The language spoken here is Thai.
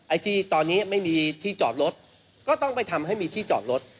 ไอ้ที่ตอนนี้ไม่มีที่จอดรถก็ต้องไปทำให้มีที่จอดรถ